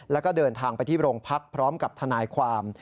แล้วก็เดินทางไปที่โรงพักพร้อมกับทนายความ